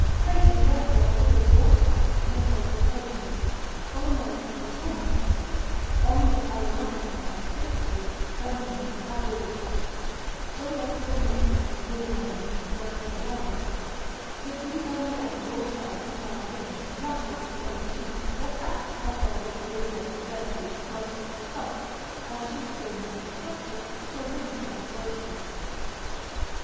Crato therefore forbids all spice, in a consultation of his, for a melancholy schoolmaster, Omnia aromatica et quicquid sanguinem adurit: so doth Fernelius, consil. 45. Guianerius, tract 15. cap. 2. Mercurialis, cons. 189. To these I may add all sharp and sour things, luscious and over sweet, or fat, as oil, vinegar, verjuice, mustard, salt; as sweet things are obstructive, so these are corrosive.